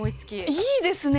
いいですね。